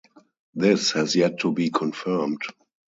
This has yet to be confirmed.